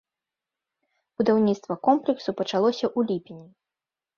Будаўніцтва комплексу пачалося ў ліпені.